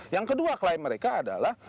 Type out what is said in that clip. yang kedua klaim mereka adalah